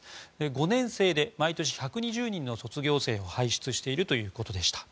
５年制で毎年１２０人の卒業生を輩出しているということでした。